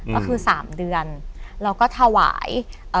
ก็คือ๓เดือนเราก็ถวาย